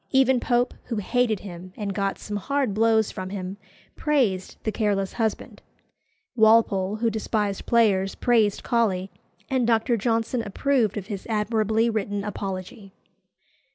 Even Pope, who hated him and got some hard blows from him, praised "The Careless Husband;" Walpole, who despised players, praised Colley; and Dr. Johnson approved of his admirably written Apology.